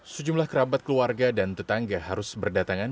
sejumlah kerabat keluarga dan tetangga harus berdatangan